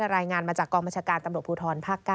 รายงานมาจากกองบัญชาการตำรวจภูทรภาค๙